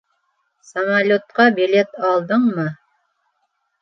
Самолетҡа билет алдыңмы?